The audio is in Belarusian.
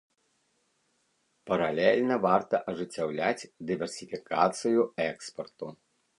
Паралельна варта ажыццяўляць дыверсіфікацыю экспарту.